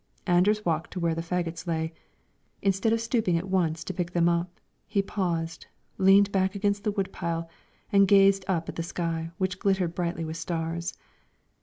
Anders walked to where the fagots lay; instead of stooping at once to pick them up, he paused, leaned back against the wood pile and gazed up at the sky, which glittered brightly with stars.